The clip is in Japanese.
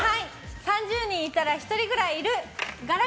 ３０人いたら１人くらいいる！